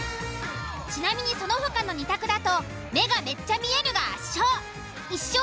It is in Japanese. ちなみにその他の２択だと目がめっちゃ見えるが圧勝。